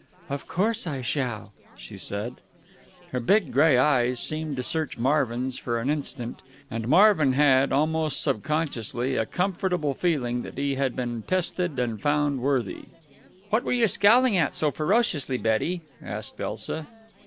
"Of course I shall," she said. Her big gray eyes seemed to search Marvin's for an instant and Marvin had, almost subconsciously, a comfortable feeling that he had been tested and found worthy. "What were you scowling at so ferociously, Betty?" asked Elsa.